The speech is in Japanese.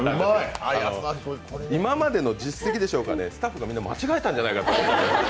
今までの実績でしょうか、スタッフがみんな間違えたんじゃないかと。